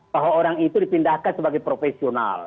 bahwa orang itu dipindahkan sebagai profesional